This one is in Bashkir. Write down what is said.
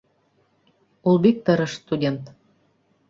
Ул бик тырыш студент